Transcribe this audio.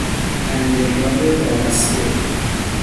انتگرال بارسته